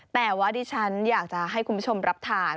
แต่ว่าดิฉันอยากจะให้คุณผู้ชมรับทาน